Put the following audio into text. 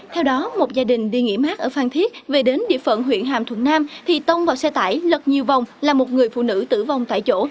theo đó một gia đình đi nghỉ mát ở phan thiết về đến địa phận huyện hàm thuận nam thì tông vào xe tải lật nhiều vòng là một người phụ nữ tử vong tại chỗ